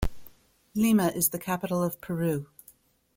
Lima is the capital of Peru.